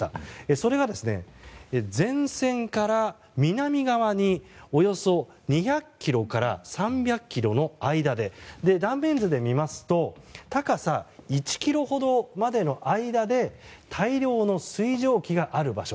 それは、前線から南側におよそ２００ｋｍから３００ｋｍの間で断面図で見ますと高さ１ｋｍまでの間で大量の水蒸気がある場所。